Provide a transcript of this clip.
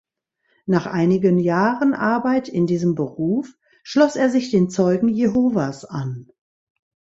Nach einigen Jahren Arbeit in diesem Beruf schloss er sich den Zeugen Jehovas an.